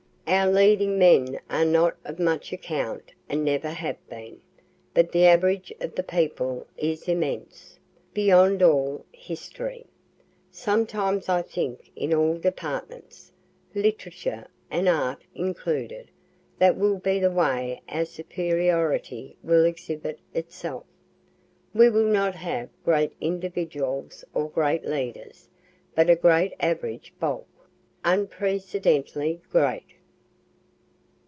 Our leading men are not of much account and never have been, but the average of the people is immense, beyond all history. Sometimes I think in all departments, literature and art included, that will be the way our superiority will exhibit itself. We will not have great individuals or great leaders, but a great average bulk, unprecedentedly great.'"